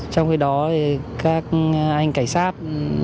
trong khi đó các anh cảnh sát